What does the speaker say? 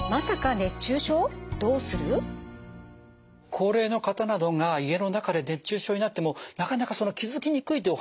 高齢の方などが家の中で熱中症になってもなかなか気付きにくいというお話がありました。